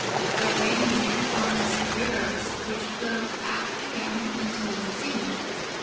The rain forms rivers, which flow back again into the sea.